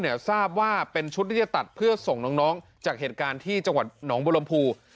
ทราบว่าเป็นชุดที่จะตัดเพื่อส่งน้องจากเหตุการณ์ที่จังหวัดหนองบุรมภู